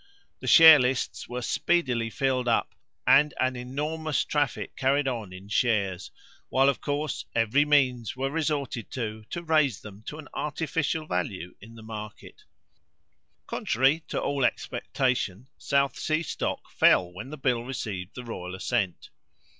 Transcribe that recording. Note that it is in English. The share lists were speedily filled up, and an enormous traffic carried on in shares, while, of course, every means were resorted to to raise them to an artificial value in the market. [Illustration: CORNHILL, 1720.] Contrary to all expectation, South Sea stock fell when the bill received the royal assent.